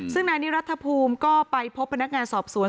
ซึ่งนายนิรัฐภูมิก็ไปพบพนักงานสอบสวน